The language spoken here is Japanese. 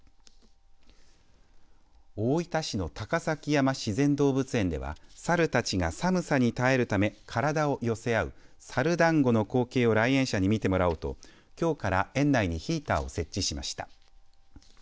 大分市の高崎山自然動物園ではサルたちが寒さに耐えるため体を寄せ合うサルだんごの光景を来園者に見てもらおうときょうから園内にヒーターを設置しました。